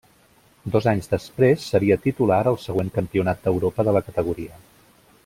Dos anys després, seria titular al següent campionat d'Europa de la categoria.